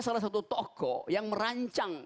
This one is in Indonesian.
salah satu tokoh yang merancang